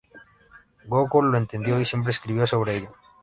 Gógol lo entendió y siempre escribió sobre ello.